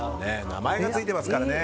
名前がついてますからね。